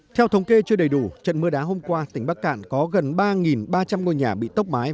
theo thống kê chưa đầy đủ trận mưa đá hôm qua tỉnh bắc cạn có gần ba ba trăm linh ngôi nhà bị tốc mái